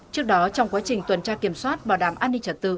trước đó trong quá trình tuần tra kiểm soát bảo đảm an ninh trật tự